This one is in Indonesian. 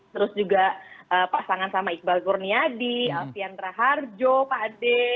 terus juga pasangan sama iqbal kurniadi alfian raharjo pak ade